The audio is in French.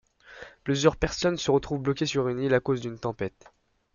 Plusieurs personnes se retrouvent bloqués sur une île à cause d'une tempête.